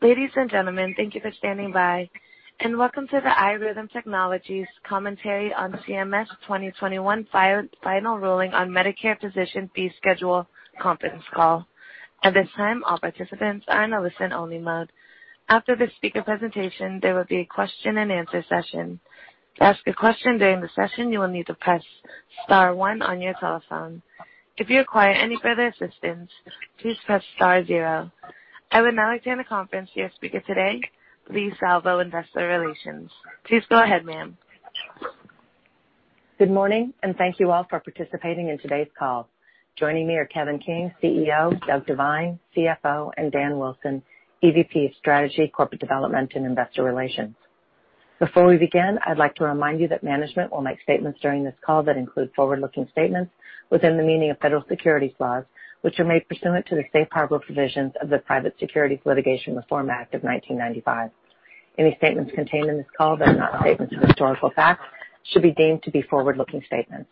Ladies and gentlemen, thank you for standing by, and welcome to the iRhythm Technologies commentary on CMS 2021 Final Ruling on Medicare Physician Fee Schedule conference call. At this time, all participants are in a listen-only mode. After the speaker presentation, there will be a question-and-answer session. To ask a question during the session, you will need to press star one on your telephone. If you require any further assistance, please press star zero. I would now like to hand the conference to your speaker today, Leigh Salvo, Investor Relations. Please go ahead, ma'am. Good morning, and thank you all for participating in today's call. Joining me are Kevin King, CEO, Doug Devine, CFO, and Dan Wilson, EVP of Strategy, Corporate Development, and Investor Relations. Before we begin, I'd like to remind you that management will make statements during this call that include forward-looking statements within the meaning of federal securities laws, which are made pursuant to the safe harbor provisions of the Private Securities Litigation Reform Act of 1995. Any statements contained in this call that are not statements of historical facts should be deemed to be forward-looking statements.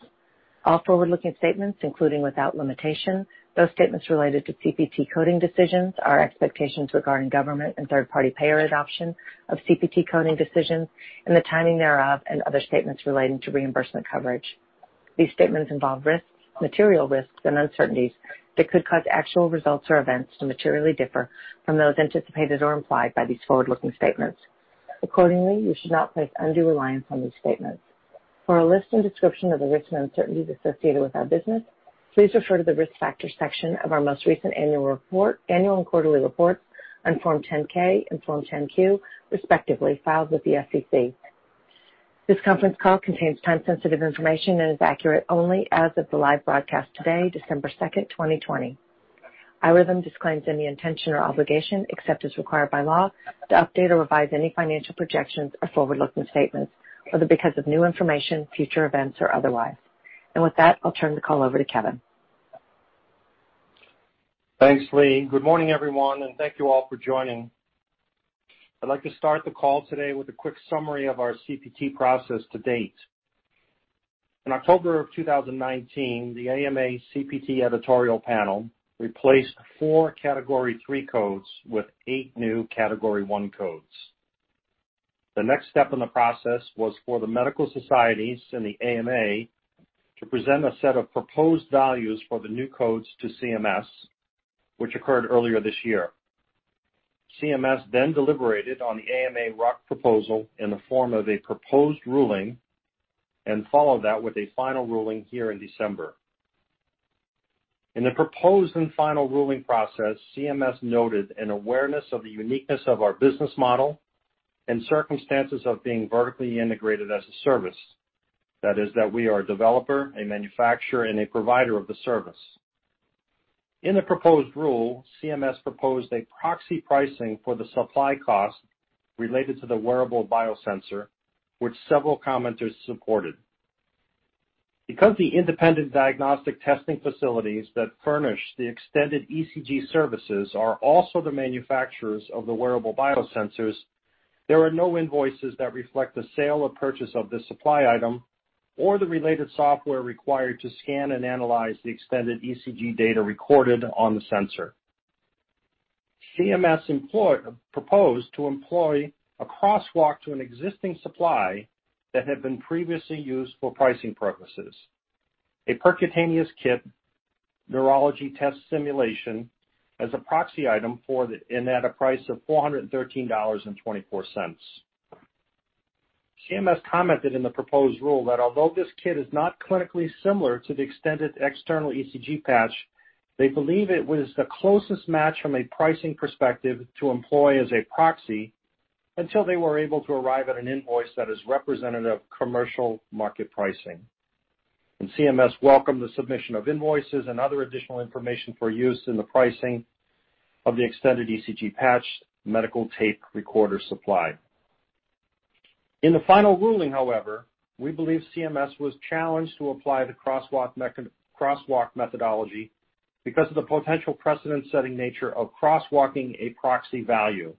All forward-looking statements, including, without limitation, those statements related to CPT coding decisions, our expectations regarding government and third-party payer adoption of CPT coding decisions and the timing thereof, and other statements relating to reimbursement coverage. These statements involve risks, material risks, and uncertainties that could cause actual results or events to materially differ from those anticipated or implied by these forward-looking statements. Accordingly, you should not place undue reliance on these statements. For a list and description of the risks and uncertainties associated with our business, please refer to the Risk Factors section of our most recent annual and quarterly reports on Form 10-K and Form 10-Q, respectively, filed with the SEC. This conference call contains time-sensitive information and is accurate only as of the live broadcast today, December 2nd, 2020. iRhythm disclaims any intention or obligation, except as required by law, to update or revise any financial projections or forward-looking statements, whether because of new information, future events, or otherwise. With that, I'll turn the call over to Kevin. Thanks, Leigh. Good morning, everyone, and thank you all for joining. I'd like to start the call today with a quick summary of our CPT process to date. In October of 2019, the AMA CPT editorial panel replaced four Category III codes with eight new Category I codes. The next step in the process was for the medical societies and the AMA to present a set of proposed values for the new codes to CMS, which occurred earlier this year. CMS then deliberated on the AMA RUC proposal in the form of a proposed ruling and followed that with a final ruling here in December. In the proposed and final ruling process, CMS noted an awareness of the uniqueness of our business model and circumstances of being vertically integrated as a service. That is that we are a developer, a manufacturer, and a provider of the service. In the proposed rule, CMS proposed a proxy pricing for the supply cost related to the wearable biosensor, which several commenters supported. Because the independent diagnostic testing facilities that furnish the extended ECG services are also the manufacturers of the wearable biosensors, there are no invoices that reflect the sale or purchase of this supply item or the related software required to scan and analyze the extended ECG data recorded on the sensor. CMS proposed to employ a crosswalk to an existing supply that had been previously used for pricing purposes, a percutaneous kit neurology test simulation as a proxy item and at a price of $413.24. CMS commented in the proposed rule that although this kit is not clinically similar to the extended external ECG patch, they believe it was the closest match from a pricing perspective to employ as a proxy until they were able to arrive at an invoice that is representative of commercial market pricing. CMS welcomed the submission of invoices and other additional information for use in the pricing of the extended ECG patch medical tape recorder supply. In the final ruling, however, we believe CMS was challenged to apply the crosswalk methodology because of the potential precedent-setting nature of crosswalking a proxy value.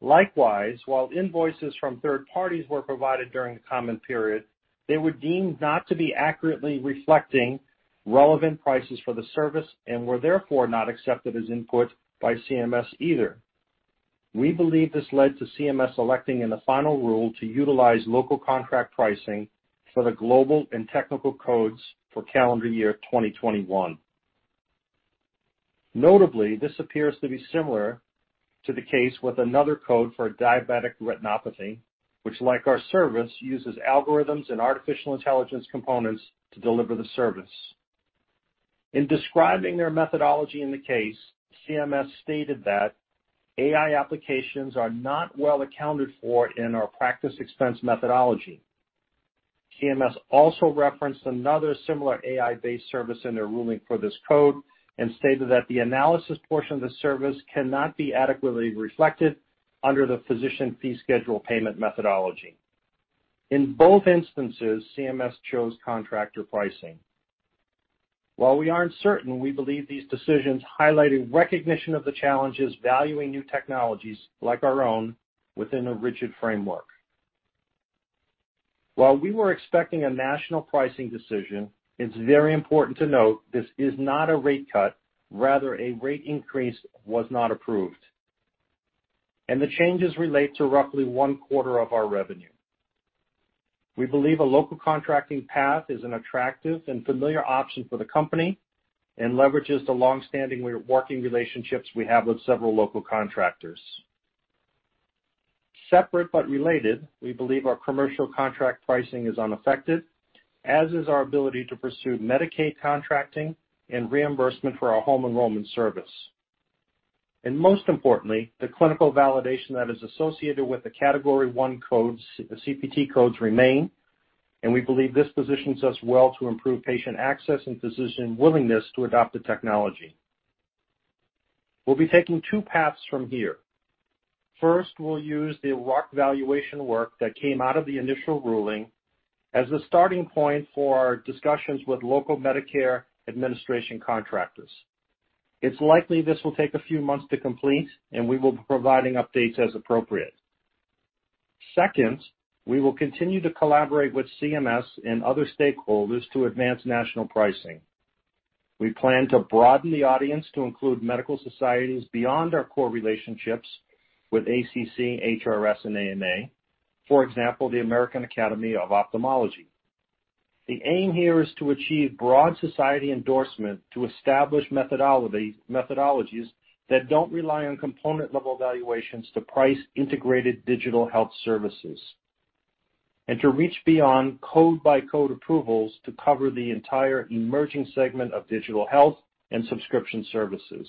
Likewise, while invoices from third parties were provided during the comment period, they were deemed not to be accurately reflecting relevant prices for the service and were therefore not accepted as input by CMS either. We believe this led to CMS electing in the final rule to utilize local contract pricing for the global and technical codes for calendar year 2021. Notably, this appears to be similar to the case with another code for diabetic retinopathy, which like our service, uses algorithms and artificial intelligence components to deliver the service. In describing their methodology in the case, CMS stated that AI applications are not well accounted for in our practice expense methodology. CMS also referenced another similar AI-based service in their ruling for this code and stated that the analysis portion of the service cannot be adequately reflected under the Physician Fee Schedule payment methodology. In both instances, CMS chose contractor pricing. While we aren't certain, we believe these decisions highlighted recognition of the challenges valuing new technologies like our own within a rigid framework. While we were expecting a national pricing decision, it's very important to note this is not a rate cut, rather a rate increase was not approved. The changes relate to roughly 1/4 of our revenue. We believe a local contracting path is an attractive and familiar option for the company and leverages the longstanding working relationships we have with several local contractors. Separate but related, we believe our commercial contract pricing is unaffected, as is our ability to pursue Medicaid contracting and reimbursement for our home enrollment service. Most importantly, the clinical validation that is associated with the Category I CPT codes remain, and we believe this positions us well to improve patient access and physician willingness to adopt the technology. We'll be taking two paths from here. First, we'll use the RUC valuation work that came out of the initial ruling as the starting point for discussions with local Medicare Administrative Contractors. It's likely this will take a few months to complete, and we will be providing updates as appropriate. Second, we will continue to collaborate with CMS and other stakeholders to advance national pricing. We plan to broaden the audience to include medical societies beyond our core relationships with ACC, HRS, and AMA, for example, the American Academy of Ophthalmology. The aim here is to achieve broad society endorsement to establish methodologies that don't rely on component-level valuations to price integrated digital health services and to reach beyond code-by-code approvals to cover the entire emerging segment of digital health and subscription services.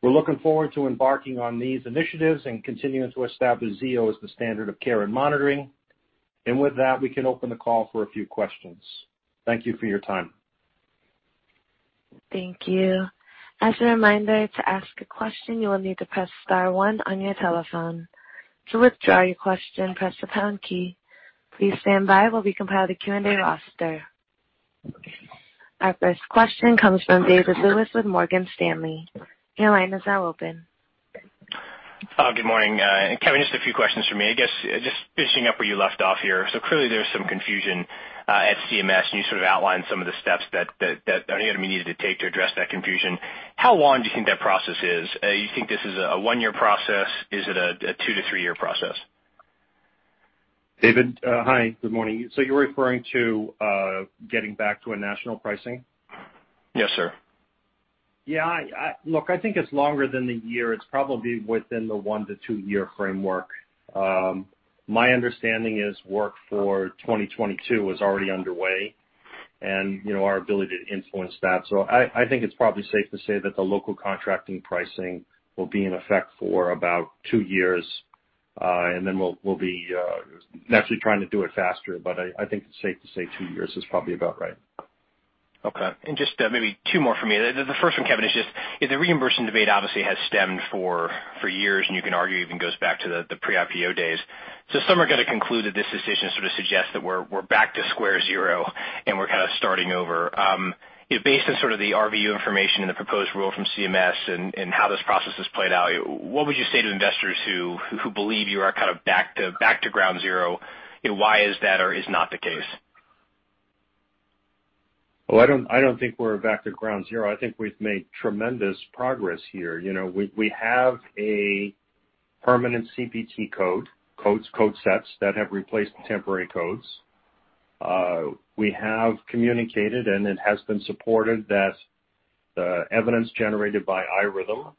We're looking forward to embarking on these initiatives and continuing to establish Zio as the standard of care and monitoring. With that, we can open the call for a few questions. Thank you for your time. Thank you. As a reminder to ask a question, you need to press star one on your telephone. To withdraw your question, press the pound key. Please stand by we'll be compiling the Q&A roster. Our first question comes from David Lewis with Morgan Stanley. Your line is now open. Good morning. Kevin, just a few questions from me. I guess, just finishing up where you left off here. Clearly there's some confusion at CMS, and you sort of outlined some of the steps that you're going to be needing to take to address that confusion. How long do you think that process is? You think this is a one-year process? Is it a two-to-three-year process? David, hi. Good morning. You're referring to getting back to a national pricing? Yes, sir. Yeah. Look, I think it's longer than a year. It's probably within the one-to-two-year framework. My understanding is work for 2022 is already underway and our ability to influence that. I think it's probably safe to say that the local contracting pricing will be in effect for about two years, and then we'll be naturally trying to do it faster, but I think it's safe to say two years is probably about right. Okay. Just maybe two more for me. The first one, Kevin, is just the reimbursement debate obviously has stemmed for years, and you can argue even goes back to the pre-IPO days. Some are going to conclude that this decision sort of suggests that we're back to square zero and we're kind of starting over. Based on sort of the RVU information and the proposed rule from CMS and how this process has played out, what would you say to investors who believe you are kind of back to ground zero? Why is that or is not the case? Well, I don't think we're back to ground zero. I think we've made tremendous progress here. We have a permanent CPT code sets that have replaced temporary codes. We have communicated, and it has been supported that the evidence generated by iRhythm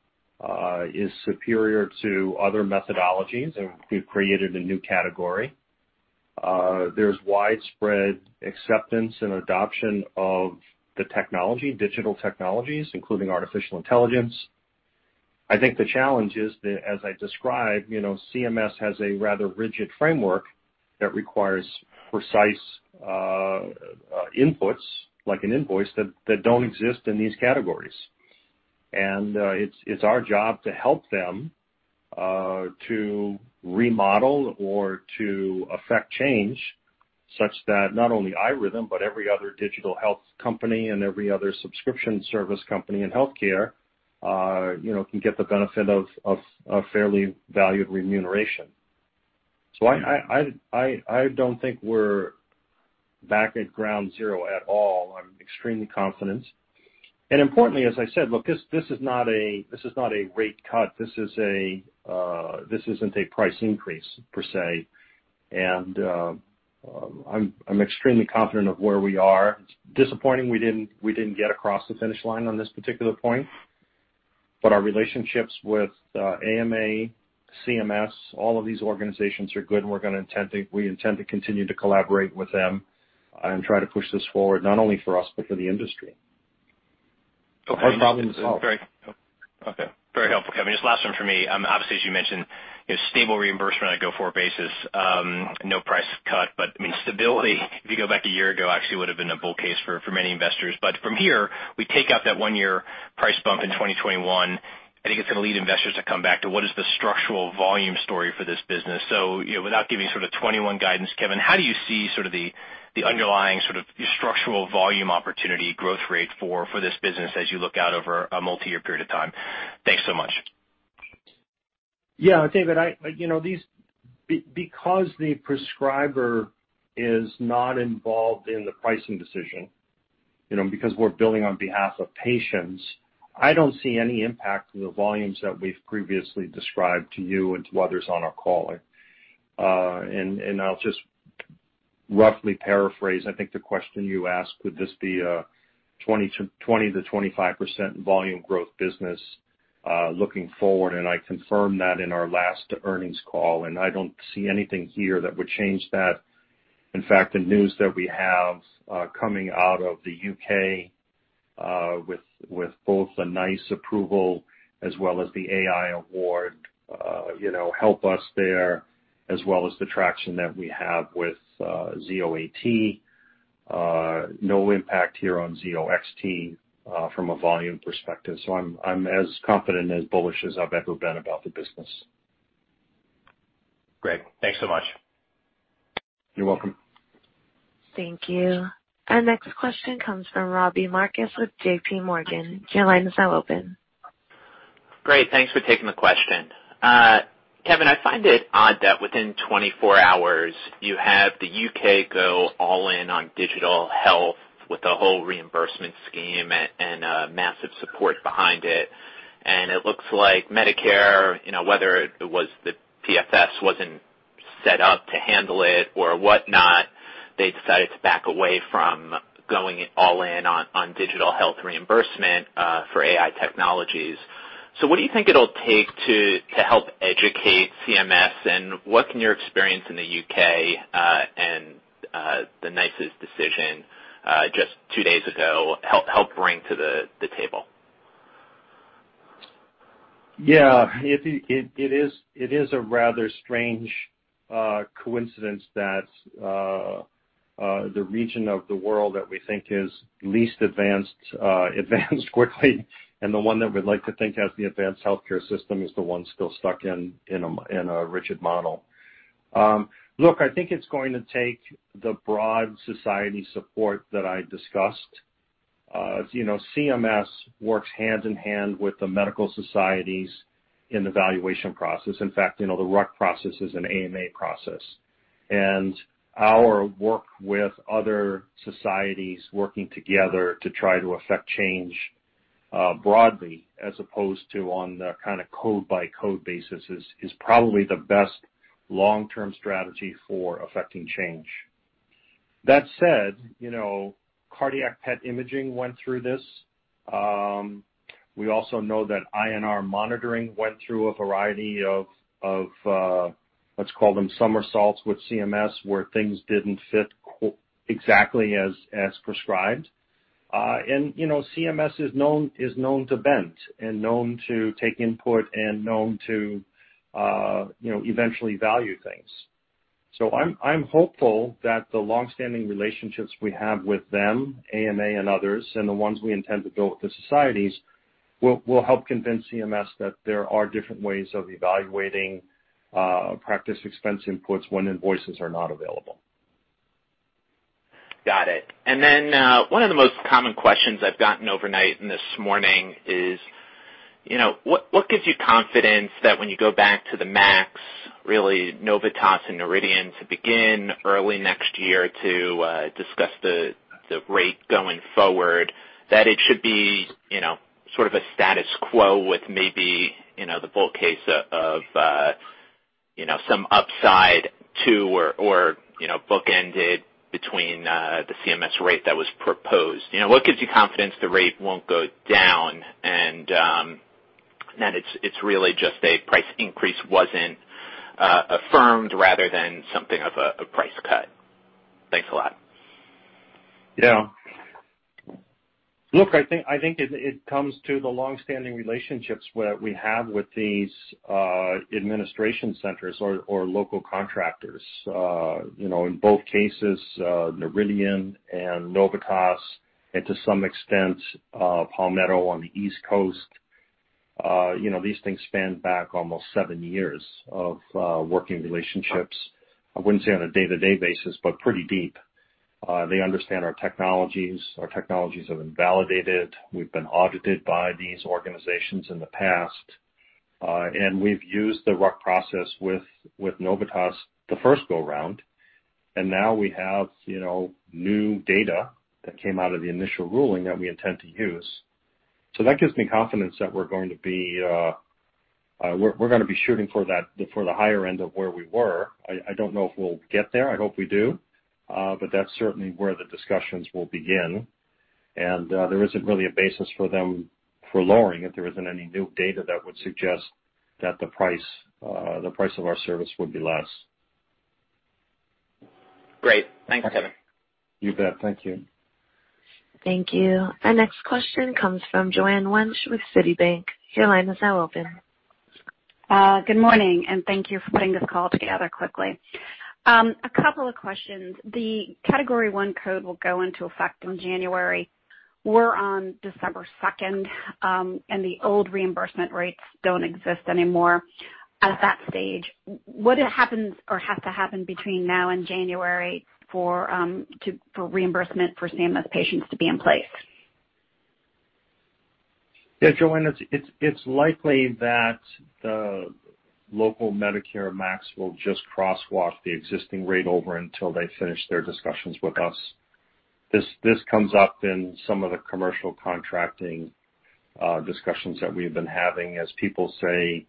is superior to other methodologies and we've created a new category. There's widespread acceptance and adoption of the technology, digital technologies, including artificial intelligence. I think the challenge is that, as I described, CMS has a rather rigid framework that requires precise inputs, like an invoice, that don't exist in these categories. It's our job to help them to remodel or to affect change such that not only iRhythm, but every other digital health company and every other subscription service company in healthcare can get the benefit of fairly valued remuneration. I don't think we're back at ground zero at all. I'm extremely confident. Importantly, as I said, look, this is not a rate cut. This isn't a price increase, per se. I'm extremely confident of where we are. It's disappointing we didn't get across the finish line on this particular point. Our relationships with AMA, CMS, all of these organizations are good, and we intend to continue to collaborate with them and try to push this forward, not only for us, but for the industry. Okay. Very helpful, Kevin. Just last one from me. Obviously, as you mentioned, stable reimbursement on a go-forward basis, no price cut, but stability, if you go back a year ago, actually would have been a bull case for many investors. From here, we take out that one-year price bump in 2021. I think it's going to lead investors to come back to what is the structural volume story for this business. Without giving sort of 2021 guidance, Kevin, how do you see sort of the underlying sort of structural volume opportunity growth rate for this business as you look out over a multi-year period of time? Thanks so much. Yeah, David. Because the prescriber is not involved in the pricing decision, because we're billing on behalf of patients, I don't see any impact to the volumes that we've previously described to you and to others on our calling. I'll just roughly paraphrase, I think the question you asked, would this be a 20%-25% volume growth business, looking forward? I confirmed that in our last earnings call, and I don't see anything here that would change that. In fact, the news that we have coming out of the U.K., with both a NICE approval as well as the AI award help us there, as well as the traction that we have with Zio AT. No impact here on Zio XT from a volume perspective. I'm as confident, as bullish as I've ever been about the business. Great. Thanks so much. You're welcome. Thank you. Our next question comes from Robbie Marcus with JPMorgan. Your line is now open. Great, thanks for taking the question. Kevin, I find it odd that within 24 hours, you have the U.K. go all in on digital health with a whole reimbursement scheme and a massive support behind it, and it looks like Medicare, whether it was the PFS wasn't set up to handle it or whatnot, they decided to back away from going all in on digital health reimbursement for AI technologies. What do you think it'll take to help educate CMS, and what can your experience in the U.K. and the NICE's decision just two days ago help bring to the table? Yeah. It is a rather strange coincidence that the region of the world that we think is least advanced quickly, and the one that we'd like to think has the advanced healthcare system is the one still stuck in a rigid model. Look, I think it's going to take the broad society support that I discussed. CMS works hand in hand with the medical societies in the valuation process. In fact, the RUC process is an AMA process. Our work with other societies working together to try to affect change broadly as opposed to on the code-by-code basis is probably the best long-term strategy for effecting change. That said, cardiac PET imaging went through this. We also know that INR monitoring went through a variety of, let's call them somersaults with CMS, where things didn't fit exactly as prescribed. CMS is known to bend and known to take input and known to eventually value things. I'm hopeful that the longstanding relationships we have with them, AMA and others, and the ones we intend to build with the societies, will help convince CMS that there are different ways of evaluating practice expense inputs when invoices are not available. Got it. One of the most common questions I've gotten overnight and this morning is what gives you confidence that when you go back to the MACs, really Novitas and Noridian to begin early next year to discuss the rate going forward, that it should be sort of a status quo with maybe the bulk case of some upside to or bookended between the CMS rate that was proposed. What gives you confidence the rate won't go down, and that it's really just a price increase wasn't affirmed rather than something of a price cut? Thanks a lot. Look, I think it comes to the longstanding relationships we have with these administration centers or local contractors. In both cases, Noridian and Novitas, and to some extent, Palmetto on the East Coast. These things span back almost seven years of working relationships. I wouldn't say on a day-to-day basis, but pretty deep. They understand our technologies. Our technologies have been validated. We've been audited by these organizations in the past. We've used the RUC process with Novitas the first go-round, and now we have new data that came out of the initial ruling that we intend to use. That gives me confidence that we're going to be shooting for the higher end of where we were. I don't know if we'll get there. I hope we do. That's certainly where the discussions will begin. there isn't really a basis for them for lowering if there isn't any new data that would suggest that the price of our service would be less. Great. Thanks, Kevin. You bet. Thank you. Thank you. Our next question comes from Joanne Wuensch with Citibank. Your line is now open. Good morning, and thank you for putting this call together quickly. A couple of questions. The Category I code will go into effect in January. We're on December 2nd, and the old reimbursement rates don't exist anymore. At that stage, what happens or has to happen between now and January for reimbursement for CMS patients to be in place? Yeah, Joanne, it's likely that the local Medicare MACs will just crosswalk the existing rate over until they finish their discussions with us. This comes up in some of the commercial contracting discussions that we've been having as people say,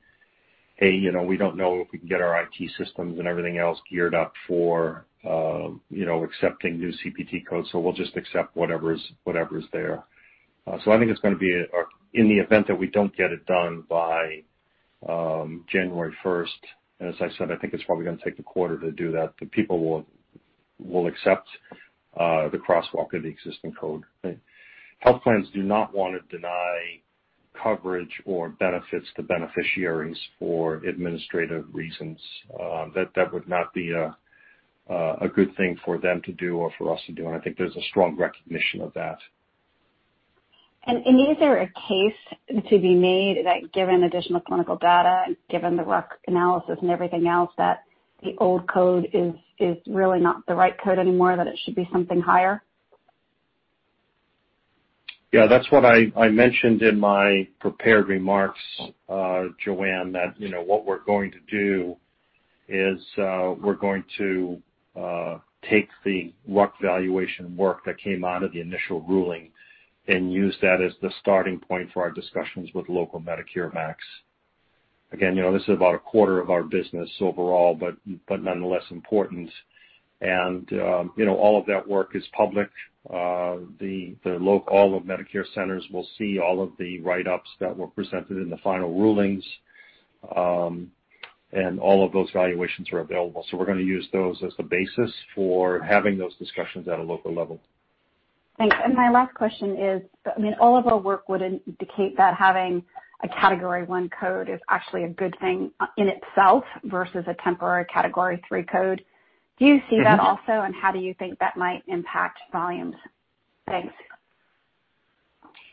"Hey, we don't know if we can get our IT systems and everything else geared up for accepting new CPT codes, so we'll just accept whatever's there." I think it's going to be, in the event that we don't get it done by January 1st, and as I said, I think it's probably going to take a quarter to do that, the people will accept the crosswalk of the existing code. Health plans do not want to deny coverage or benefits to beneficiaries for administrative reasons. That would not be a good thing for them to do or for us to do, and I think there's a strong recognition of that. Is there a case to be made that given additional clinical data and given the RUC analysis and everything else, that the old code is really not the right code anymore, that it should be something higher? Yeah, that's what I mentioned in my prepared remarks, Joanne, that what we're going to do is we're going to take the RUC valuation work that came out of the initial ruling and use that as the starting point for our discussions with local Medicare MACs. Again, this is about 1/4 of our business overall, but nonetheless important. All of that work is public. All of Medicare centers will see all of the write-ups that were presented in the final rulings, and all of those valuations are available. We're going to use those as the basis for having those discussions at a local level. Thanks. My last question is, all of our work would indicate that having a Category I code is actually a good thing in itself versus a temporary Category III code. Do you see that also, and how do you think that might impact volumes? Thanks.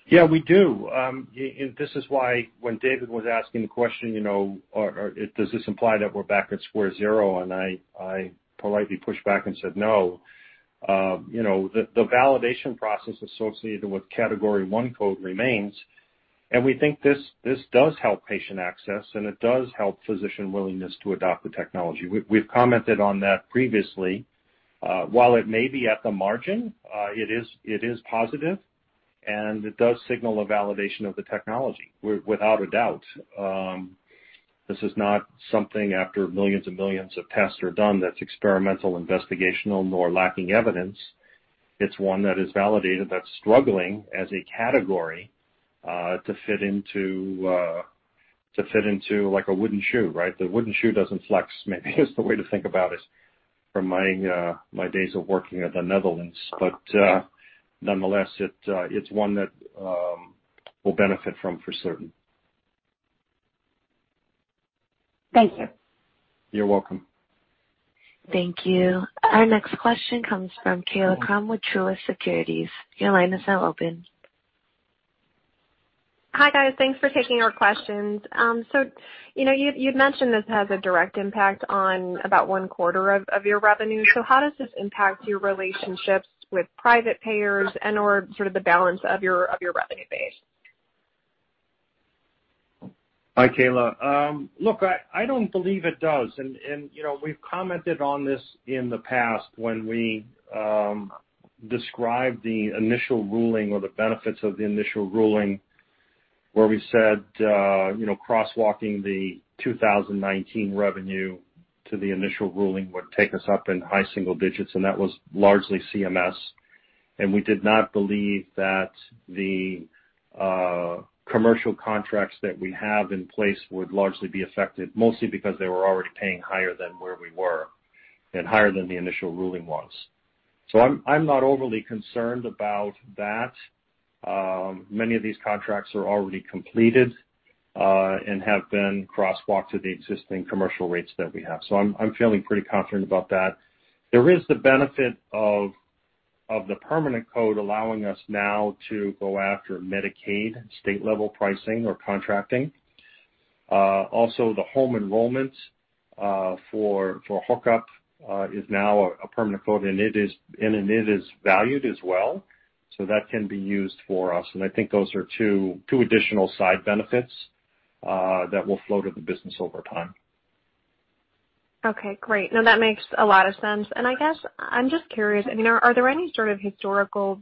Yeah, we do. This is why when David was asking the question, does this imply that we're back at square zero? I politely pushed back and said no. The validation process associated with Category One code remains, and we think this does help patient access, and it does help physician willingness to adopt the technology. We've commented on that previously. While it may be at the margin, it is positive, and it does signal a validation of the technology, without a doubt. This is not something after millions and millions of tests are done that's experimental, investigational, nor lacking evidence. It's one that is validated, that's struggling as a category, to fit into a wooden shoe, right? The wooden shoe doesn't flex, maybe is the way to think about it from my days of working at the Netherlands. Nonetheless, it's one that we'll benefit from for certain. Thank you. You're welcome. Thank you. Our next question comes from Kaila Krum with Truist Securities. Your line is now open. Hi, guys. Thanks for taking our questions. You'd mentioned this has a direct impact on about 1/4 of your revenue. How does this impact your relationships with private payers and/or sort of the balance of your revenue base? Hi, Kaila. Look, I don't believe it does. We've commented on this in the past when we described the initial ruling or the benefits of the initial ruling where we said crosswalking the 2019 revenue to the initial ruling would take us up in high single digits, and that was largely CMS. We did not believe that the commercial contracts that we have in place would largely be affected, mostly because they were already paying higher than where we were and higher than the initial ruling was. I'm not overly concerned about that. Many of these contracts are already completed, and have been crosswalked to the existing commercial rates that we have. I'm feeling pretty confident about that. There is the benefit of the permanent code allowing us now to go after Medicaid state-level pricing or contracting. Also, the home enrollments for hookup is now a permanent code, and it is valued as well. That can be used for us, and I think those are two additional side benefits that will flow to the business over time. Okay, great. No, that makes a lot of sense. I guess I'm just curious, are there any sort of historical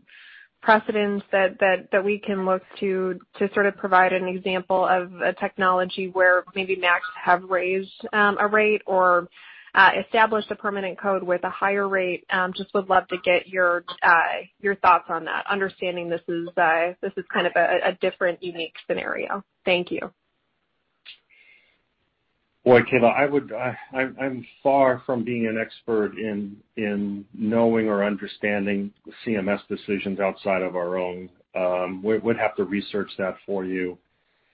precedents that we can look to to sort of provide an example of a technology where maybe MACs have raised a rate or established a permanent code with a higher rate? I just would love to get your thoughts on that, understanding this is kind of a different, unique scenario. Thank you. Boy, Kaila, I'm far from being an expert in knowing or understanding CMS decisions outside of our own. I would have to research that for you.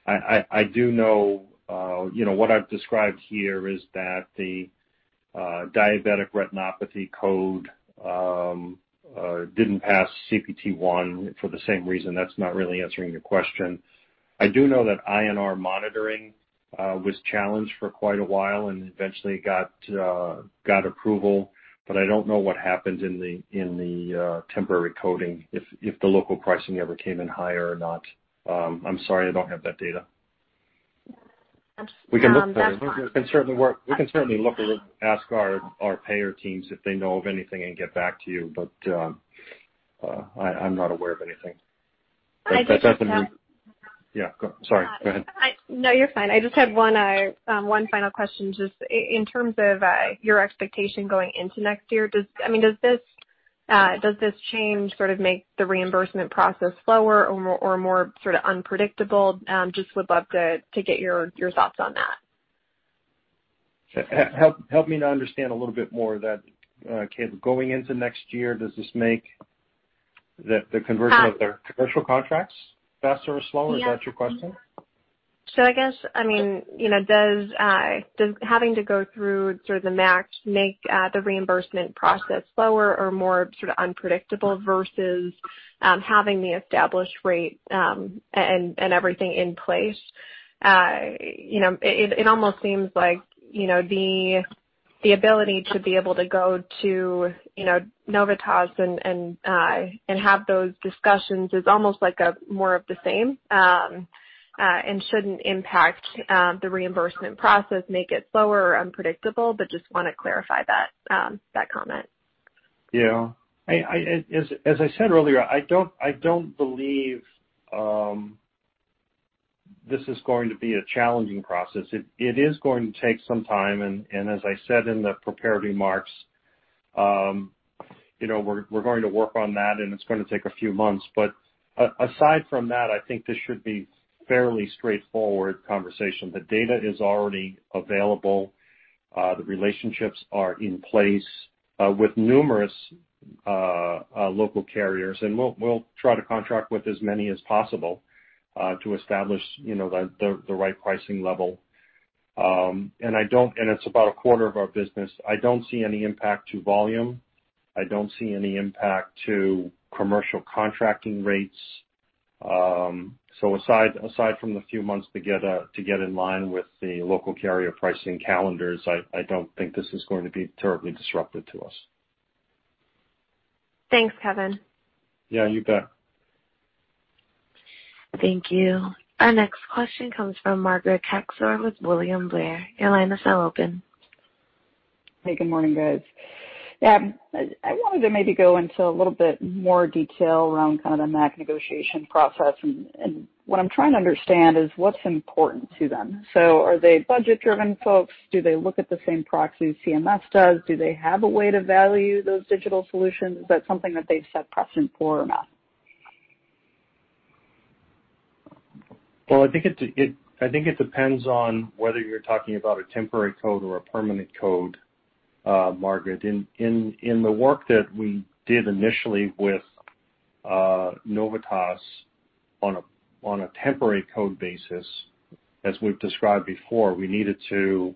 I do know what I've described here is that the diabetic retinopathy code didn't pass CPT-1 for the same reason. That's not really answering your question. I do know that INR monitoring was challenged for quite a while, and eventually it got approval. I don't know what happens in the temporary coding if the local pricing ever came in higher or not. I'm sorry, I don't have that data. That's fine. We can certainly look. Ask our payer teams if they know of anything and get back to you. I'm not aware of anything. I just have- Yeah. Sorry, go ahead. No, you're fine. I just had one final question. Just in terms of your expectation going into next year, does this change sort of make the reimbursement process slower or more sort of unpredictable? Just would love to get your thoughts on that. Help me to understand a little bit more of that, Kaila. Going into next year, does this make the conversion of their commercial contracts faster or slower? Is that your question? I guess, does having to go through sort of the MAC make the reimbursement process slower or more sort of unpredictable versus having the established rate and everything in place? It almost seems like, the ability to be able to go to Novitas and have those discussions is almost like a more of the same, and shouldn't impact the reimbursement process, make it slower or unpredictable, but just want to clarify that comment. Yeah. As I said earlier, I don't believe this is going to be a challenging process. It is going to take some time, and as I said in the prepared remarks, we're going to work on that, and it's going to take a few months. Aside from that, I think this should be fairly straightforward conversation. The data is already available. The relationships are in place, with numerous local carriers, and we'll try to contract with as many as possible, to establish the right pricing level. It's about 1/4 of our business. I don't see any impact to volume. I don't see any impact to commercial contracting rates. Aside from the few months to get in line with the local carrier pricing calendars, I don't think this is going to be terribly disruptive to us. Thanks, Kevin. Yeah, you bet. Thank you. Our next question comes from Margaret Kaczor with William Blair. Your line is now open. Hey, good morning, guys. I wanted to maybe go into a little bit more detail around kind of the MAC negotiation process. What I'm trying to understand is what's important to them. Are they budget-driven folks? Do they look at the same proxies CMS does? Do they have a way to value those digital solutions? Is that something that they've set precedent for or not? Well, I think it depends on whether you're talking about a temporary code or a permanent code, Margaret. In the work that we did initially with Novitas on a temporary code basis, as we've described before, we needed to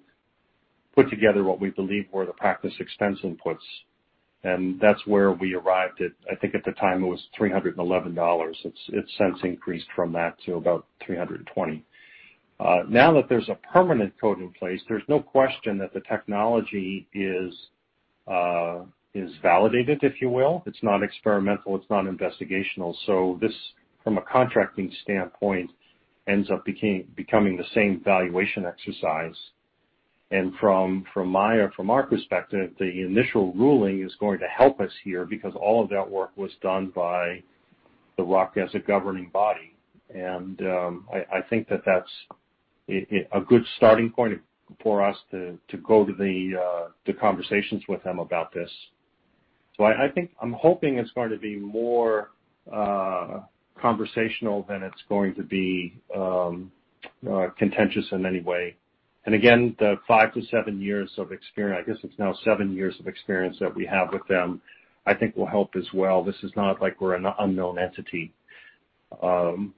put together what we believe were the practice expense inputs, and that's where we arrived at, I think at the time, it was $311. It's since increased from that to about 320. Now that there's a permanent code in place, there's no question that the technology is validated, if you will. It's not experimental. It's not investigational. This, from a contracting standpoint, ends up becoming the same valuation exercise. From our perspective, the initial ruling is going to help us here because all of that work was done by the RUC as a governing body. I think that that's a good starting point for us to go to the conversations with them about this. I'm hoping it's going to be more conversational than it's going to be contentious in any way. Again, the five to seven years of experience, I guess it's now seven years of experience that we have with them, I think will help as well. This is not like we're an unknown entity. I'm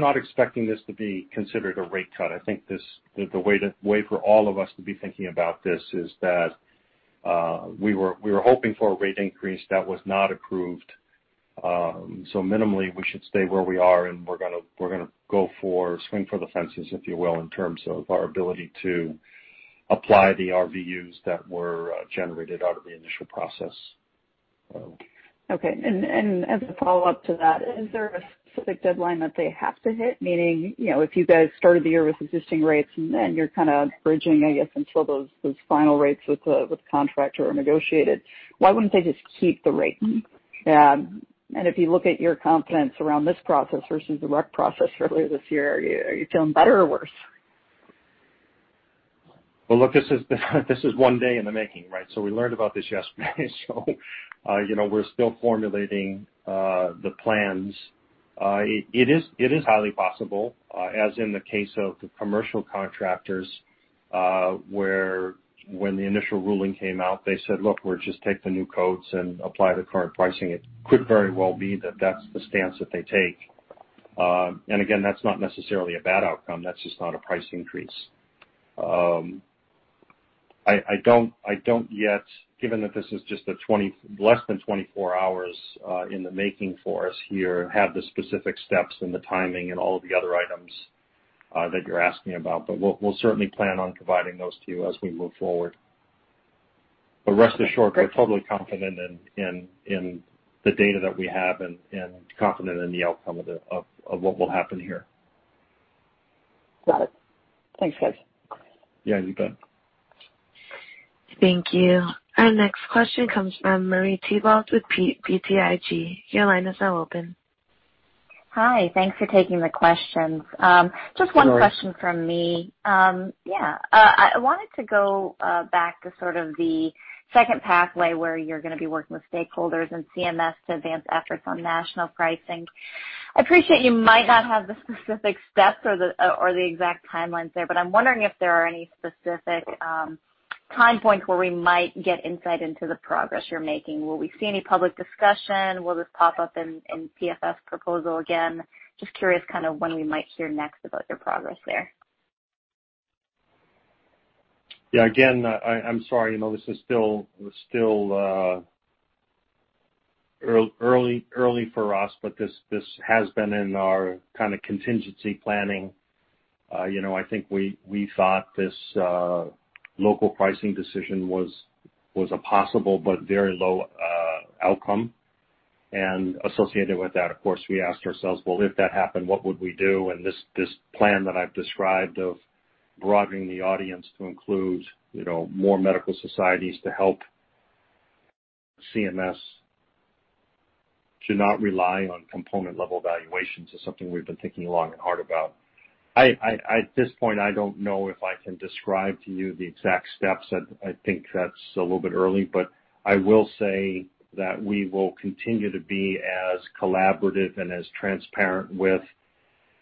not expecting this to be considered a rate cut. I think the way for all of us to be thinking about this is that we were hoping for a rate increase that was not approved. Minimally, we should stay where we are, and we're going to swing for the fences, if you will, in terms of our ability to apply the RVUs that were generated out of the initial process. Okay. As a follow-up to that, is there a specific deadline that they have to hit? Meaning, if you guys started the year with existing rates, and then you're kind of bridging, I guess, until those final rates with the contractor are negotiated, why wouldn't they just keep the rate? If you look at your confidence around this process versus the RUC process earlier this year, are you feeling better or worse? Well, look, this is one day in the making, right? We learned about this yesterday. We're still formulating the plans. It is highly possible, as in the case of the commercial contractors, where when the initial ruling came out, they said, "Look, we'll just take the new codes and apply the current pricing." It could very well be that that's the stance that they take. Again, that's not necessarily a bad outcome. That's just not a price increase. I don't yet, given that this is just less than 24 hours in the making for us here, have the specific steps and the timing and all of the other items that you're asking about. We'll certainly plan on providing those to you as we move forward. Rest assured- Great We're totally confident in the data that we have and confident in the outcome of what will happen here. Got it. Thanks, guys. Yeah, you bet. Thank you. Our next question comes from Marie Thibault with BTIG. Your line is now open. Hi. Thanks for taking the questions. Sure. Just one question from me. Yeah. I wanted to go back to sort of the second pathway where you're going to be working with stakeholders and CMS to advance efforts on national pricing. I appreciate you might not have the specific steps or the exact timelines there, but I'm wondering if there are any specific data points where we might get insight into the progress you're making. Will we see any public discussion? Will this pop up in CMS proposal again? Just curious kind of when we might hear next about your progress there. Yeah. Again, I'm sorry. This is still early for us, but this has been in our kind of contingency planning. I think we thought this local pricing decision was a possible but very low outcome. Associated with that, of course, we asked ourselves, "Well, if that happened, what would we do?" This plan that I've described of broadening the audience to include more medical societies to help CMS to not rely on component-level valuations is something we've been thinking long and hard about. At this point, I don't know if I can describe to you the exact steps. I think that's a little bit early, but I will say that we will continue to be as collaborative and as transparent with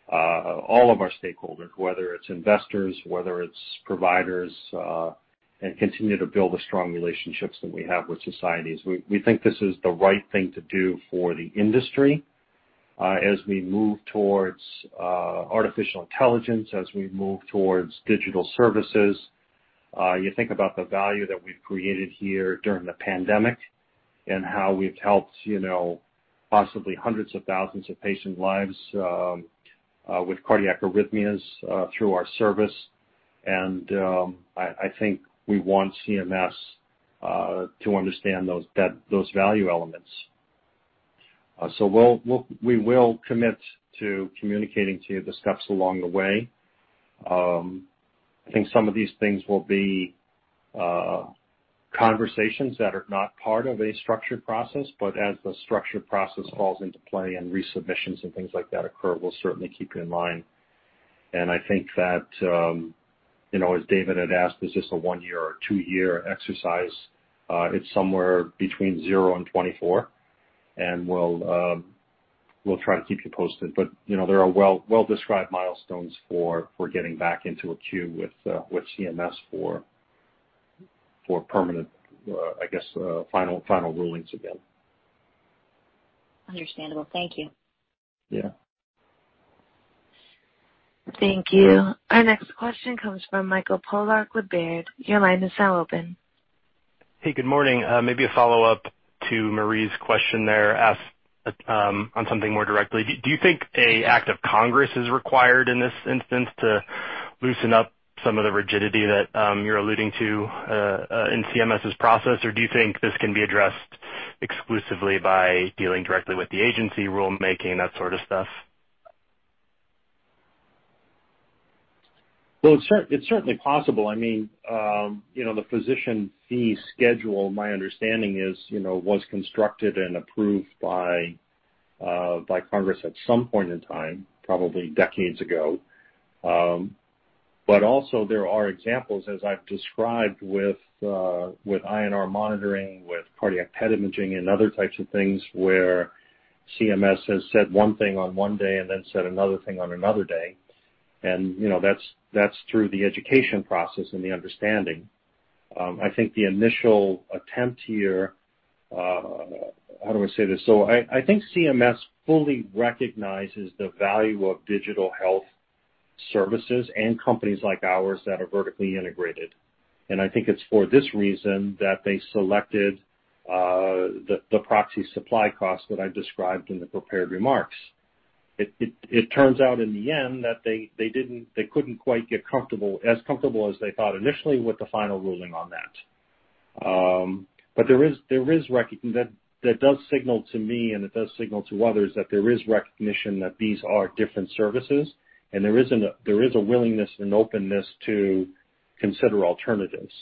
all of our stakeholders, whether it's investors, whether it's providers, and continue to build the strong relationships that we have with societies. We think this is the right thing to do for the industry, as we move towards artificial intelligence, as we move towards digital services. You think about the value that we've created here during the pandemic and how we've helped possibly hundreds of thousands of patient lives with cardiac arrhythmias through our service, and I think we want CMS to understand those value elements. We will commit to communicating to you the steps along the way. I think some of these things will be conversations that are not part of a structured process, but as the structured process falls into play and resubmissions and things like that occur, we'll certainly keep you in mind. I think that, as David had asked, is this a one year or two year exercise? It's somewhere between zero and 24, and we'll try to keep you posted. There are well-described milestones for getting back into a queue with CMS for permanent, I guess, final rulings again. Understandable. Thank you. Yeah. Thank you. Our next question comes from Michael Polark with Baird. Your line is now open. Hey, good morning. Maybe a follow-up to Marie's question there, asked on something more directly. Do you think an act of Congress is required in this instance to loosen up some of the rigidity that you're alluding to in CMS's process, or do you think this can be addressed exclusively by dealing directly with the agency rulemaking, that sort of stuff? Well, it's certainly possible. The Physician Fee Schedule, my understanding is, was constructed and approved by Congress at some point in time, probably decades ago. Also there are examples, as I've described with INR monitoring, with cardiac PET imaging and other types of things where CMS has said one thing on one day and then said another thing on another day. That's through the education process and the understanding. I think CMS fully recognizes the value of digital health services and companies like ours that are vertically integrated. I think it's for this reason that they selected the proxy supply cost that I described in the prepared remarks. It turns out in the end that they couldn't quite get as comfortable as they thought initially with the final ruling on that. that does signal to me, and it does signal to others that there is recognition that these are different services, and there is a willingness and openness to consider alternatives.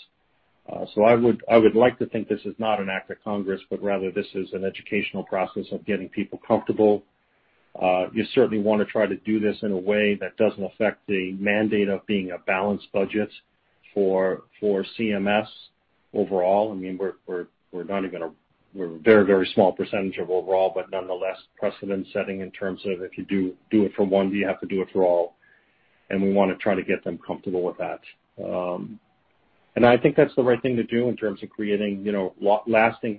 I would like to think this is not an act of Congress, but rather this is an educational process of getting people comfortable. You certainly want to try to do this in a way that doesn't affect the mandate of being a balanced budget for CMS overall. We're a very small percentage of overall, but nonetheless, precedent-setting in terms of if you do it for one, do you have to do it for all? We want to try to get them comfortable with that. I think that's the right thing to do in terms of creating lasting.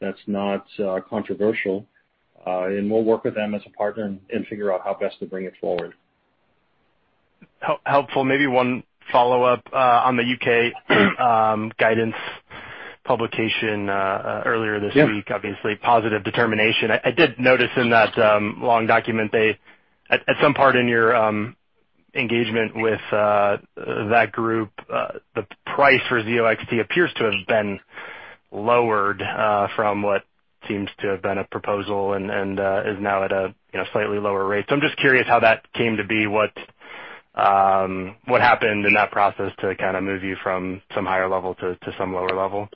That's not controversial, and we'll work with them as a partner and figure out how best to bring it forward. Helpful. Maybe one follow-up on the U.K. guidance publication earlier this week. Yeah. Obviously, positive determination. I did notice in that long document, at some part in your engagement with that group, the price for Zio XT appears to have been lowered from what seems to have been a proposal and is now at a slightly lower rate. I'm just curious how that came to be. What happened in that process to kind of move you from some higher level to some lower level?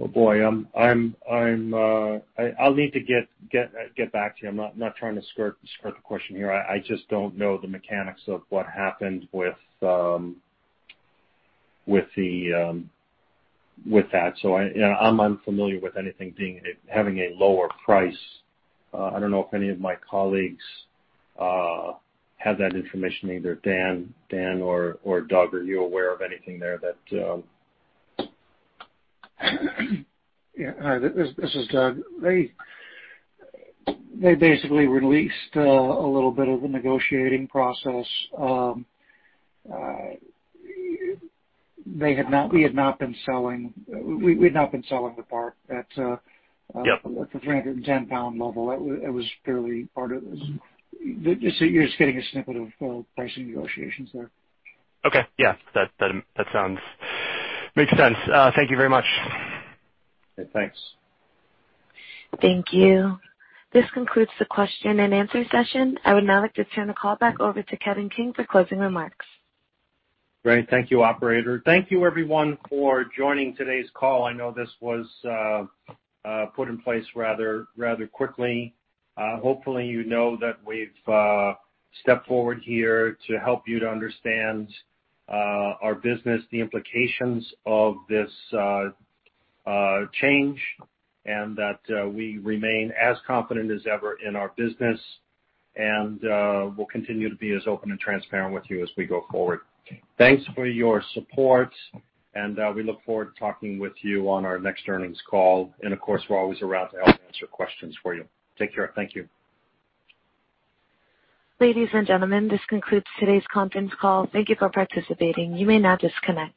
Oh, boy. I'll need to get back to you. I'm not trying to skirt the question here. I just don't know the mechanics of what happened with that. I'm unfamiliar with anything having a lower price. I don't know if any of my colleagues have that information either. Dan or Doug, are you aware of anything there that- Yeah. Hi, this is Doug. They basically released a little bit of the negotiating process. We'd not been selling the part at- Yep the 310 pound level. It was fairly part of this. You're just getting a snippet of pricing negotiations there. Okay. Yeah. Makes sense. Thank you very much. Thanks. Thank you. This concludes the question-and-answer session. I would now like to turn the call back over to Kevin King for closing remarks. Great. Thank you, operator. Thank you everyone for joining today's call. I know this was put in place rather quickly. Hopefully, you know that we've stepped forward here to help you to understand our business, the implications of this change, and that we remain as confident as ever in our business and will continue to be as open and transparent with you as we go forward. Thanks for your support, and we look forward to talking with you on our next earnings call. Of course, we're always around to help answer questions for you. Take care. Thank you. Ladies and gentlemen, this concludes today's conference call. Thank you for participating. You may now disconnect.